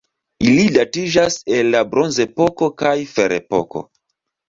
Ili datiĝas el la bronzepoko kaj ferepoko.